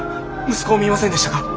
息子を見ませんでしたか？